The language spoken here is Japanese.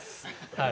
はい。